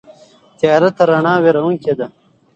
تیاره تر رڼا وېروونکې ده.